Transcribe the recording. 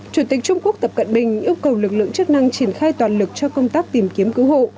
chủ tịch trung quốc tập cận bình yêu cầu lực lượng chức năng triển khai toàn lực cho công tác tìm kiếm cứu hộ